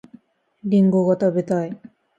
りんごが食べたい